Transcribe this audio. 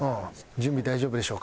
準備大丈夫でしょうか？